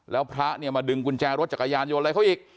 แล้วพระเนี่ยมาดึงกุญแจรถจักรยานยนต์อะไรเขาอีก